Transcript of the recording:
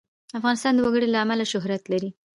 افغانستان د وګړي له امله شهرت لري.